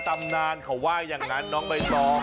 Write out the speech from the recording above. ตำนานเขาว่าอย่างนั้นน้องใบตอง